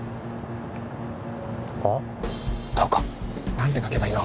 何て書けばいいの？